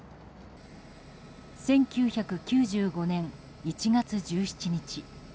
１９９５年１月１７日。